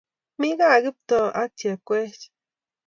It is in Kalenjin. Mi kaa Kiptoo ak Chepkoech